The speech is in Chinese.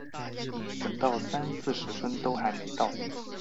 等到三十四分都还没到